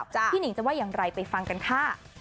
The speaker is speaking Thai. พี่หนิงจะว่ายังไรไปฟังกันค่ะ